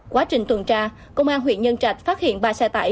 quá trình tuần tra công an huyện nhân trạch phát hiện ba xe tải